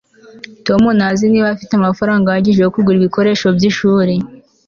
tom ntazi niba afite amafaranga ahagije yo kugura ibikoresho byishuri